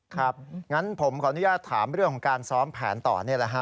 ครับงั้นผมขออนุญาตถามเรื่องของการซ้อมแผนต่อนี่แหละฮะ